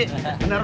makasih pak ji